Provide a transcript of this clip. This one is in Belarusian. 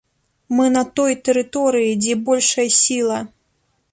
Мы на той тэрыторыі, дзе большая сіла.